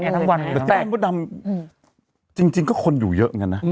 ตะเบียนเต้นหมู่ดำจริงก็คนอยู่เยอะกันนะ